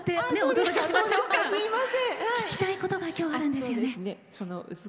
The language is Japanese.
聞きたいことが今日、あるんですよね？